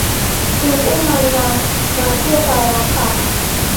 จึงอุ้มมารดามาเพื่อจะรักษา